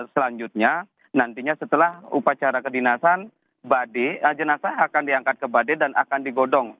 selanjutnya nantinya setelah upacara kedinasan badai jenazah akan diangkat ke bade dan akan digodong